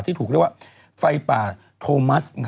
ที่ถูกเรียกว่าไฟป่าโทมัส